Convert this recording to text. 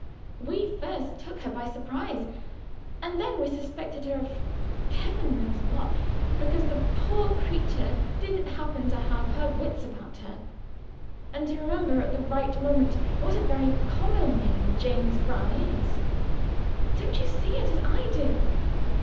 We first took her by surprise: and then we suspected her of Heaven knows what, because the poor creature didn't happen to have her wits about her, and to remember at the right moment what a very common name 'James Brown' is. Don't you see it as I do?"